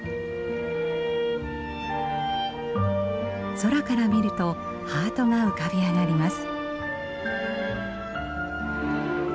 空から見るとハートが浮かび上がります。